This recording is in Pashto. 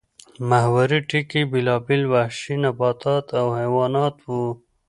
محوري ټکی یې بېلابېل وحشي نباتات او حیوانات وو